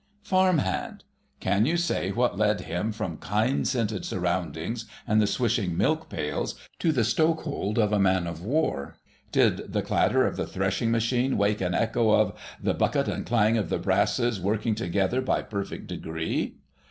Farm Hand. Can you say what led him from kine scented surroundings and the swishing milk pails to the stokehold of a man of war? Did the clatter of the threshing machine wake an echo of "... the bucket and clang of the brasses Working together by perfect degree"?